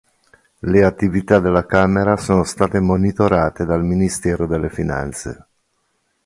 Le attività della camera sono state monitorate dal ministero delle finanze.